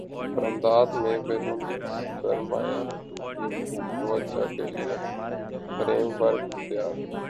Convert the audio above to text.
برامدات میں بیرونی سرمایہ کی توجہ کیلئے فریم ورک تیار